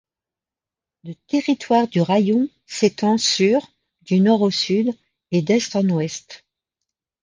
Le territoire du raïon s'étend sur du nord au sud et d'est en ouest.